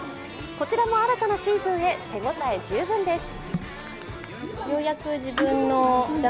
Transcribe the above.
こちらも新たなシーズンへ手応え十分です。